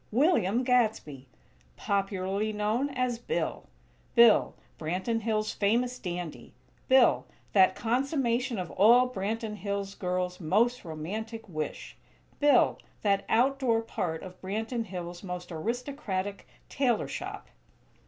William Gadsby! Popularly known as Bill! Bill, Branton Hills' famous dandy; Bill, that consummation of all Branton Hills girls' most romantic wish; Bill, that "outdoor part" of Branton Hills' most aristocratic tailor shop!